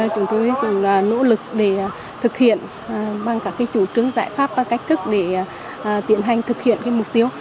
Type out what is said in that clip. chúng tôi nỗ lực để thực hiện bằng các chủ trướng giải pháp và cách cước để tiến hành thực hiện mục tiêu